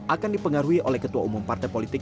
akan dipengaruhi oleh ketua umum partai politik